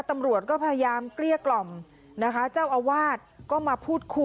บางตอนก็มีอาการเกลี้ยวกราษต่อว่าพระต่อว่าชาวบ้านที่มายืนล้อมอยู่แบบนี้ค่ะ